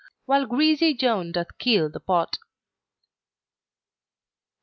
While greasy Joan doth keel the pot.